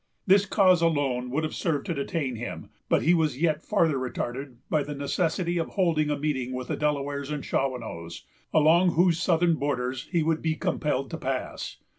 This cause alone would have served to detain him; but he was yet farther retarded by the necessity of holding a meeting with the Delawares and Shawanoes, along whose southern borders he would be compelled to pass.